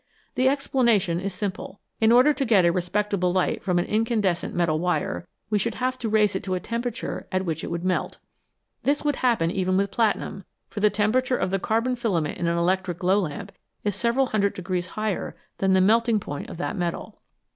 The explanation is simple ; in order to get a respectable light from an incandescent metal wire, we should have to raise it to a temperature at which it would melt. This would happen even with platinum, for the temperature of the carbon filament in an electric glow lamp is several hundred degrees higher than the melting point of that metal.